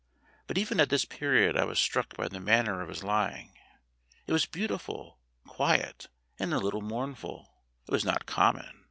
But even at this period I was struck by the manner of his lying. It was beautiful, quiet, and a little mournful. It was not common.